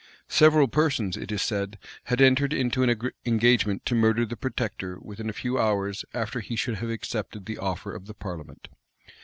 Several persons, it is said, had entered into an engagement to murder the protector within a few hours after he should have accepted the offer of the parliament.